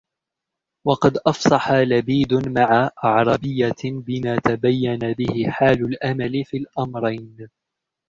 وَقَدْ أَفْصَحَ لَبِيدٌ مَعَ أَعْرَابِيَّةٍ بِمَا تَبَيَّنَ بِهِ حَالُ الْأَمَلِ فِي الْأَمْرَيْنِ